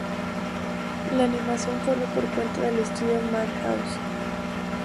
La animación corre por cuenta del estudio Madhouse.